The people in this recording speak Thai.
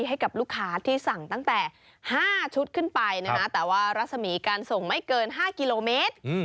ให้กับลูกค้าที่สั่งตั้งแต่๕ชุดขึ้นไปนะคะแต่ว่ารัศมีการส่งไม่เกิน๕กิโลเมตร